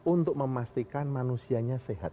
untuk memastikan manusianya sehat